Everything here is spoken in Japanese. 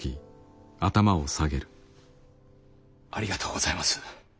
ありがとうございます。